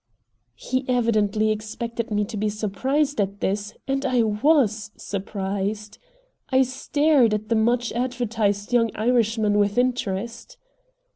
He evidently expected me to be surprised at this, and I WAS surprised. I stared at the much advertised young Irishman with interest.